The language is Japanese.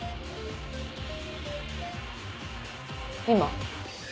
今？